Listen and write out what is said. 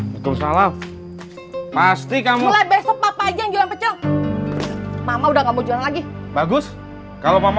tentang siapa berapanya